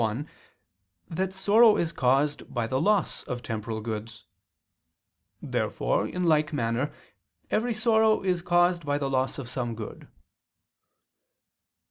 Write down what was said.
1) that sorrow is caused by the loss of temporal goods. Therefore, in like manner, every sorrow is caused by the loss of some good.